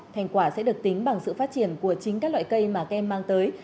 thành quả sẽ được tính bằng sự phát triển của chính các loại cây mà các em mang tới